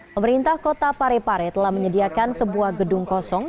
pemerintah kota parepare telah menyediakan sebuah gedung kosong